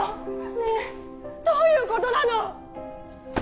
ねえどういうことなの？